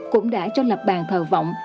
cũng đã cho lập bàn thờ vọng